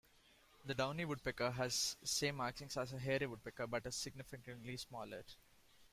The downy woodpecker has same markings as the hairy woodpecker but is significantly smaller.